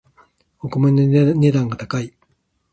お米の値段が高い